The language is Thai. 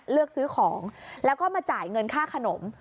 เลือกซื้อของแล้วก็มาจ่ายเงินค่าขนม